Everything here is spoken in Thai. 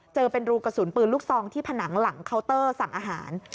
เจอเป็นรูกระสุนปืนลูกซองที่ผนังหลังเคาน์เตอร์สั่งอาหาร